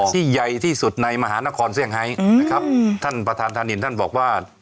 ที่ใหญ่ที่สุดในมหานครเซี่ยงไฮนะครับท่านประธานธานินท่านบอกว่า